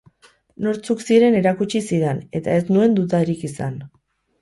Nortzuk ziren erakutsi zidan, eta ez nuen dudarik izan.